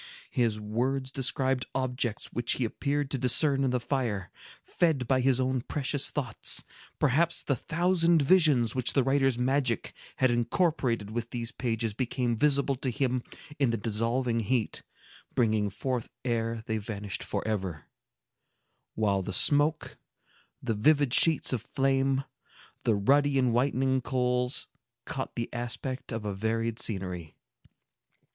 His words described objects which he appeared to discern in the fire, fed by his own precious thoughts; perhaps the thousand visions which the writer's magic had incorporated with these pages became visible to him in the dissolving heat, brightening forth ere they vanished forever; while the smoke, the vivid sheets of flame, the ruddy and whitening coals, caught the aspect of a varied scenery.